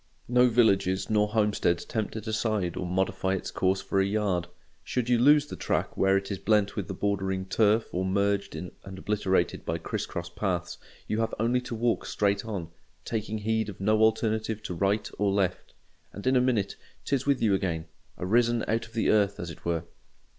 No villages nor homesteads tempt it aside or modify its course for a yard; should you lose the track where it is blent with the bordering turf or merged in and obliterated by criss cross paths, you have only to walk straight on, taking heed of no alternative to right or left; and in a minute 'tis with you again—arisen out of the earth as it were.